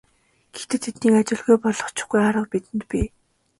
Гэхдээ тэднийг ажилгүй болгочихгүй арга бидэнд бий.